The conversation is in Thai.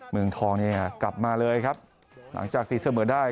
เมืองทองเนี่ยกลับมาเลยครับหลังจากตีเสมอได้